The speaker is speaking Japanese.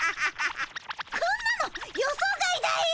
こんなの予想外だよ